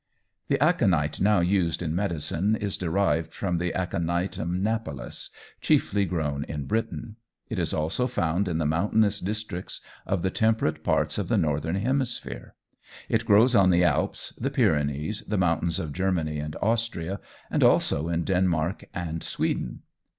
The aconite now used in medicine is derived from the Aconitum napellus, chiefly grown in Britain; it is also found in the mountainous districts of the temperate parts of the northern hemisphere. It grows on the Alps, the Pyrenees, the mountains of Germany and Austria, and also in Denmark and Sweden.